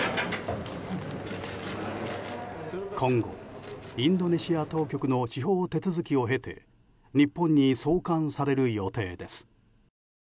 今後、インドネシア当局の司法手続きを経て日本に送還される予定です。